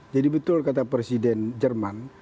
jadi betul kata presiden jerman